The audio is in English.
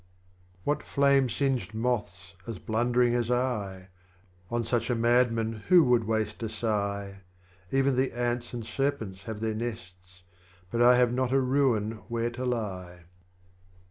25. What Flame singed Moth 's as blundering as I ? On such a Madman who would waste a Sigh ? Even the Ants and Serpents have their nests. But I have not a Ruin where to lie.